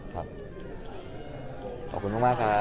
ขอบคุณมากครับ